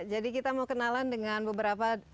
jadi kita mau kenalan dengan beberapa